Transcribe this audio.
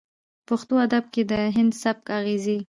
پښتو ادب کې د هندي سبک اغېزې